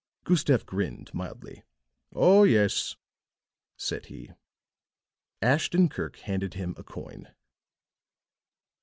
Gustave grinned mildly. "Oh, yes," said he. Ashton Kirk handed him a coin.